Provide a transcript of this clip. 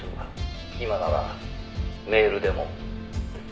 「今ならメールでも」